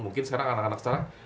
mungkin sekarang anak anak sekarang